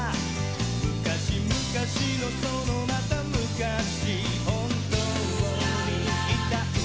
「むかしむかしのそのまたむかし」「本当にいたんだぞ」